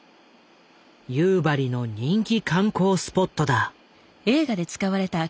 夕張の人気観光スポットだ。